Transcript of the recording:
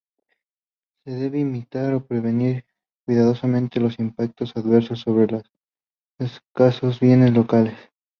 Se debe limitar o prevenir cuidadosamente los impactos adversos sobre los escasos bienes locales.